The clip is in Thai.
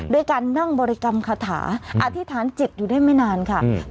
ด้วยการนั่งบริกรรมคาถาอธิษฐานจิตอยู่ได้ไม่นานค่ะ